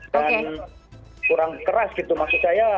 dan kurang keras gitu maksud saya